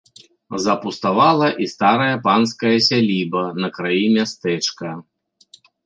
Запуставала і старая панская сяліба на краі мястэчка.